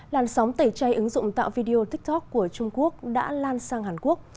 làn sóng tẩy chay ứng dụng tạo video tiktok của trung quốc đã lan sang hàn quốc